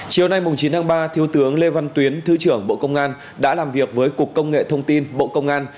chiều nay chín tháng ba thiếu tướng lê văn tuyến thứ trưởng bộ công an đã làm việc với cục công nghệ thông tin bộ công an